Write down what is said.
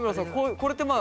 これってまあ。